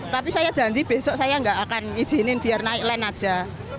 tapi saya janji besok saya nggak akan izinin biar naik len aja